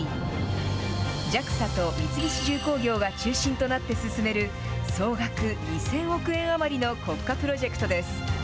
ＪＡＸＡと三菱重工業が中心となって進める、総額２０００億円余りの国家プロジェクトです。